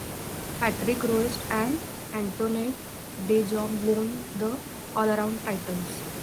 Patrick Roest and Antoinette de Jong won the allround titles.